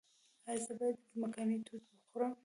ایا زه باید ځمکنۍ توت وخورم؟